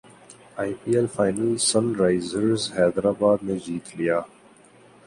ائی P L final Sunrisers Hyderabad نے جیت لیا